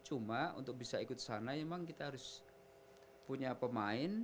cuma untuk bisa ikut sana memang kita harus punya pemain